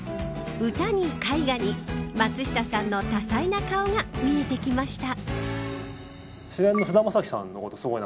歌に絵画に松下さんの多彩な顔が見えてきました。